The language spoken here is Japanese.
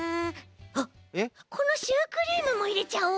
あっこのシュークリームもいれちゃおう。